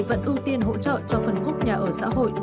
vẫn ưu tiên hỗ trợ cho phân khúc nhà ở xã hội